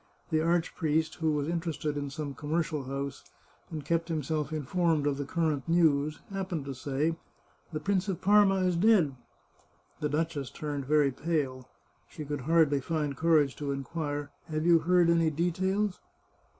The archpriest, who was interested in some commercial house, and kept himself informed of the current news, happened to say :" The Prince of Parma is dead." The duchess turned very pale. She could hardly find courage to inquire, " Have you heard any details